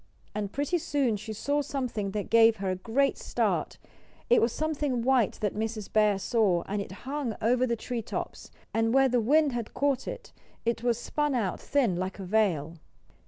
And pretty soon she saw something that gave her a great start. It was something white that Mrs. Bear saw, and it hung over the tree tops; and where the wind had caught it it was spun out thin, like a veil.